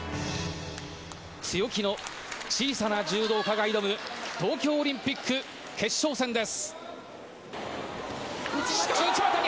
強気の小さな柔道家が挑む、東京オリンピック決勝戦です。